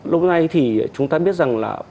lúc này thì chúng ta biết rằng là